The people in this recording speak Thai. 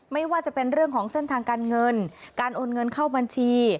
ไม่ว่าจะเป็นเรื่องของเส้นทางการเงินการโอนเงินเข้าบัญชี